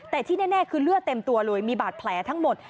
แต่ที่แน่คือเลือดเต็มตัวเลยมีบาดแผลทั้งหมด